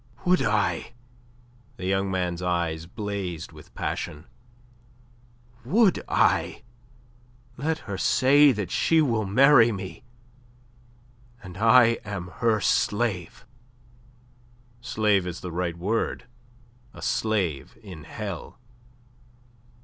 "Would I?" The young man's eyes blazed with passion. "Would I? Let her say that she will marry me, and I am her slave." "Slave is the right word a slave in hell."